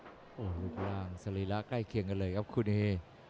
ลูกร่างสรีระใกล้เคียงกันเลยครับคุณเอ